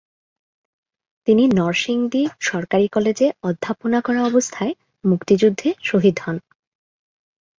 তিনি নরসিংদী সরকারি কলেজে অধ্যাপনা করা অবস্থায় মুক্তিযুদ্ধে শহীদ হন।